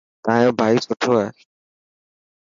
تايون ڀائي سٺو هي.